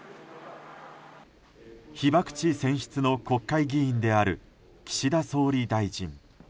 被爆地選出の国会議員である岸田総理大臣。